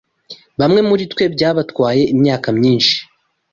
Bamwe muri twe byabatwaye imyaka myinshi